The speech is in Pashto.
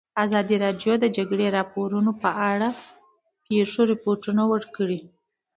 ازادي راډیو د د جګړې راپورونه په اړه د پېښو رپوټونه ورکړي.